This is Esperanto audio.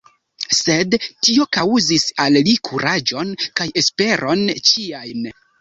Sed tio kaŭzis al li kuraĝon kaj esperon ĉiajn!